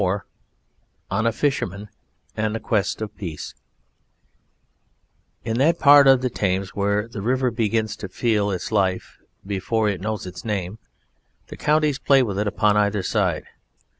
_ ON A FISHERMAN AND THE QUEST OF PEACE In that part of the Thames where the river begins to feel its life before it knows its name the counties play with it upon either side.